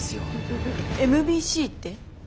ＭＢＣって？